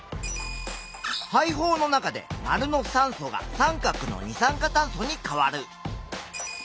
肺胞の中で●の酸素が▲の二酸化炭素に変わる。